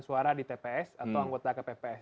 suara di tps atau anggota kpps